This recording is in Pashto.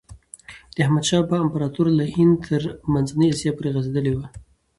د احمد شاه بابا امپراتوري له هند تر منځنۍ آسیا پورې غځېدلي وه.